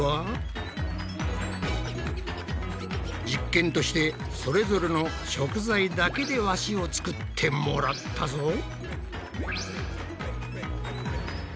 実験としてそれぞれの食材だけで和紙を作ってもらったぞ。